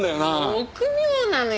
臆病なのよ！